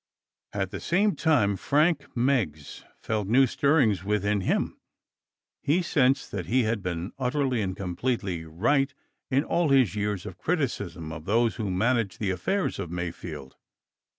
At the same time, Frank Meggs felt new stirrings within him. He sensed that he had been utterly and completely right in all his years of criticism of those who managed the affairs of Mayfield.